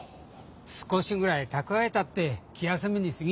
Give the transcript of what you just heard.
少しぐらい蓄えたって気休めにすぎんよ。